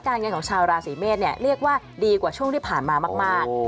เงินของชาวราศีเมษเนี่ยเรียกว่าดีกว่าช่วงที่ผ่านมามาก